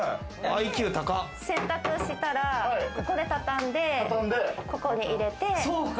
洗濯したらここで畳んで、ここに入れて。